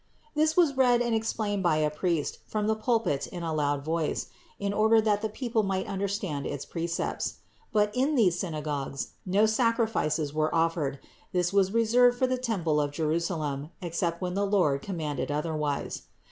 This was read and explained by a priest from the pulpit in a loud voice, in order that the people might understand its precepts. But in these synagogues no sacrifices were offered; this was reserved for the temple of Jerusalem, except when the Lord commanded otherwise.